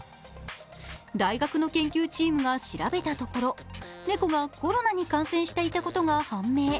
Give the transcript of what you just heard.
大学の研究チームが調べたところ猫がコロナに感染していたことが判明。